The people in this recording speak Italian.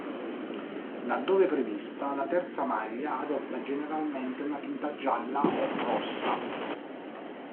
Laddove prevista, la terza maglia adotta generalmente una tinta gialla o rossa.